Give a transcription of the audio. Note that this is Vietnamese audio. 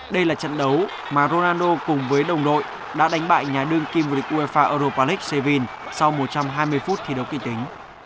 đây là trận đấu mà ronaldo cùng với đồng đội đã đánh bại nhà đương kim vua địch uefa europa league xevinh sau một trăm hai mươi phút thi đấu kỳ tính